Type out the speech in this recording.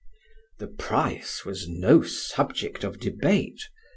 The price was no subject of debate.